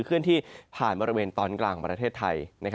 เคลื่อนที่ผ่านบริเวณตอนกลางของประเทศไทย